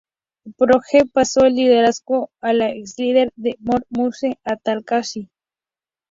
Project, pasó el liderazgo a la exlíder de Morning Musume, Ai Takahashi.